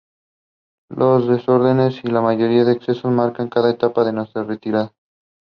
These have spinous processes with tips touching each other.